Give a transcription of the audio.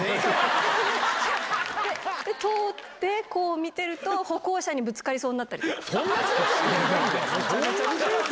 通って、こう見てると歩行者にぶつかりそうになったり。